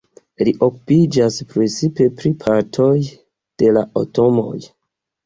Li okupiĝas precipe pri partoj de la atomoj.